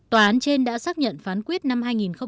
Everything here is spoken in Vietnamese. tòa án trên đã xác nhận phán quyết năm hai nghìn một mươi bảy